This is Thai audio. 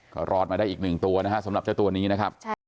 ก็รอดมาได้อีกหนึ่งตัวนะฮะสำหรับเจ้าตัวนี้นะครับ